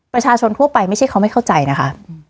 ประชาชนทั่วไปไม่ใช่เขาไม่เข้าใจนะคะ